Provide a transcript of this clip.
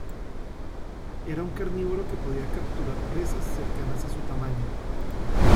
Era un carnívoro que podía capturar presas cercanas a su tamaño.